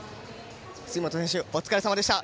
杉本選手お疲れさまでした。